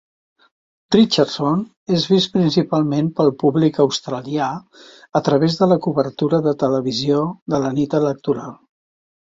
Richardson és vist principalment pel públic australià a través de la cobertura de televisió de la nit electoral.